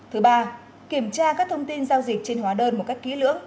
thứ ba kiểm tra các thông tin giao dịch trên hóa đơn một cách kỹ lưỡng